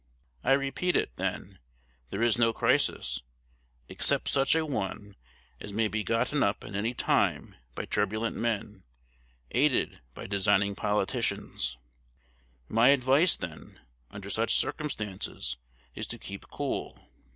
_I repeat it, then, there is no crisis, except such a one as may be gotten up at any time by turbulent men, aided by designing politicians_. My advice, then, under such circumstances, is _to keep cool.